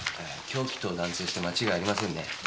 凶器と断定して間違いありませんね。